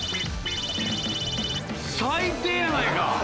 最低やないか。